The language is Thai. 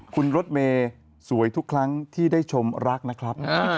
คุณรถเมย์สวยทุกครั้งที่ได้ชมรักนะครับ